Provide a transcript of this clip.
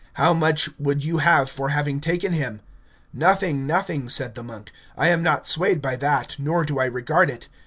How much would you have for having taken him? Nothing, nothing, said the monk; I am not swayed by that, nor do I regard it.